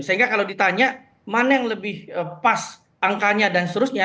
sehingga kalau ditanya mana yang lebih pas angkanya dan seterusnya